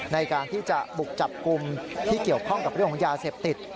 ในการที่จะบุกจับกลุ่มที่เกี่ยวข้องกับเรื่องของยาเสพติด